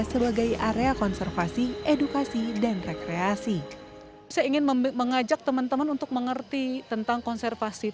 sebagai area konservasi edukasi dan rekreasi